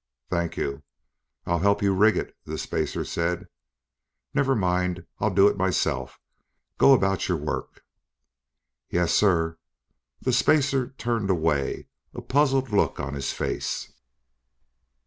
"Thank you." "I'll help you rig it," the spacer said. "Never mind, I'll do it myself. Go about your work." "Yes, sir." The spacer turned away, a puzzled look on his face.